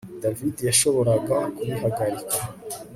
David yashoboraga kubihagarika